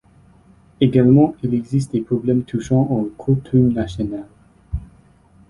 Également, il existe des problèmes touchant aux coutumes nationales.